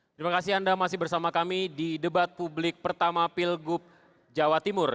terima kasih anda masih bersama kami di debat publik pertama pilgub jawa timur